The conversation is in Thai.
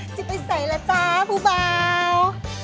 ชิบไปใส่แล้วจ้าผู้บ่าว